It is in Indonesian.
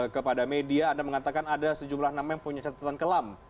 kepada media anda mengatakan ada sejumlah nama yang punya catatan kelam